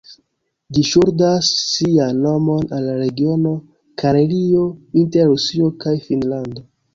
Ĝi ŝuldas sian nomon al la regiono Karelio inter Rusio kaj Finnlando.